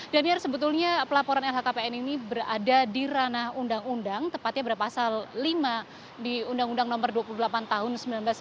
danir sebetulnya pelaporan lhkpn ini berada di ranah undang undang tepatnya berpasal lima di undang undang nomor dua puluh delapan tahun seribu sembilan ratus sembilan puluh